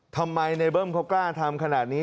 ทำไมในเบิ้มเขากล้าทำขนาดนี้